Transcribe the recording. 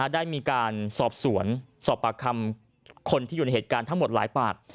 ได้มีการสอบสวนสอบปากคำคนที่อยู่ในเหตุการณ์ทั้งหมดหลายปาก